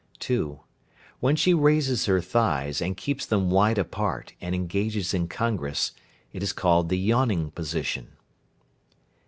(2). When she raises her thighs and keeps them wide apart and engages in congress, it is called the "yawning position."